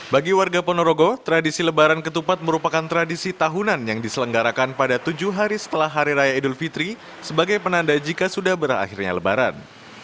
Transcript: bagi warga ponorogo tradisi lebaran ketupat merupakan tradisi tahunan yang diselenggarakan pada tujuh hari setelah hari raya idul fitri sebagai penanda jika sudah berakhirnya lebaran